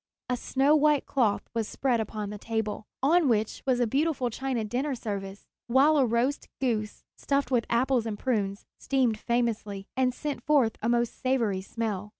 A snow white cloth was spread upon the table, on which was a beautiful china dinner service, while a roast goose, stuffed with apples and prunes, steamed famously, and sent forth a most savory smell.